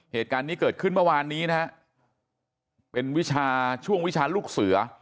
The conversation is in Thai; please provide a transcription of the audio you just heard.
เหตุการณ์นี้เกิดขึ้นเมื่อวานนี้นะฮะเป็นวิชาช่วงวิชาลูกเสือ